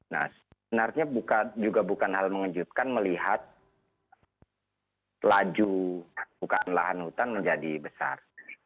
nah sebenarnya juga bukan hal mengejutkan melihat laju bukaan lahan hutan menjadi besar